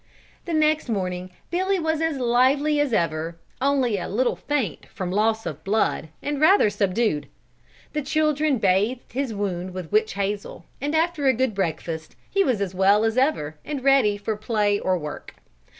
The next morning Billy was as lively as ever, only a little faint from loss of blood and rather subdued. The children bathed his wound with witch hazel, and after a good breakfast, he was as well as ever, and ready for play or work.